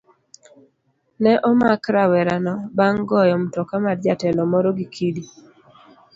Ne omak rawerano bang' goyo mtoka mar jatelo moro gi kite